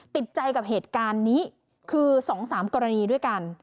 ติดใจกับเหตุการณ์นี้คือ๒๓กรณีด้วยกัน